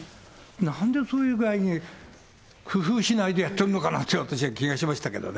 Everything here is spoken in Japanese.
なんでそういう具合に、工夫しないでやっちゃうのかなって、私は気がしましたけどね。